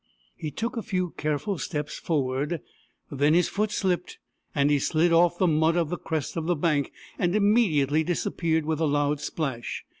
He took a few careful steps forward. Then his foot slipped, and he slid off the mud of the crest of the bank, and immediately disappeared with a loud splash.